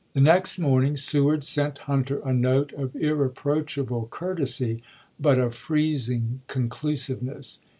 The next morning Seward sent Hunter a note of irreproachable courtesy, but of freezing conclusiveness.